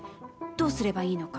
どうすればいいのか。